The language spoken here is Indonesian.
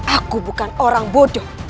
aku bukan orang bodoh